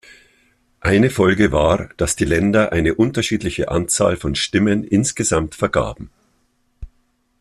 Eine Folge war, dass die Länder eine unterschiedliche Anzahl von Stimmen insgesamt vergaben.